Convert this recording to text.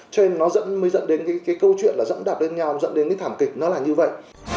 cho nên nó mới dẫn đến cái câu chuyện là dẫm đạp lên nhau dẫn đến cái thảm kịch nó là như vậy